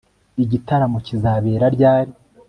Igitaramo kizabera ryari